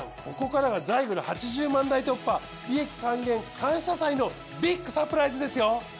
ここからがザイグル８０万台突破利益還元感謝祭のビッグサプライズですよ。